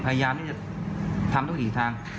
พยายามเนี่ยทำทุกที่ทาง